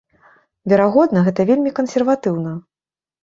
Верагодна, гэта вельмі кансерватыўна.